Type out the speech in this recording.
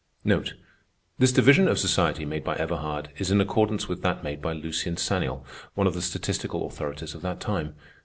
This division of society made by Everhard is in accordance with that made by Lucien Sanial, one of the statistical authorities of that time.